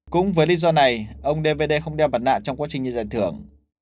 cũng với lý do này ông d v d không đeo mặt nạ trong quá trình như giải thưởng